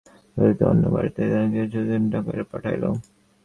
ললিতা অন্য বাড়িতে না গিয়া সুধীরকে ডাকাইয়া পাঠাইল।